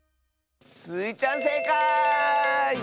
スイちゃんせいかい！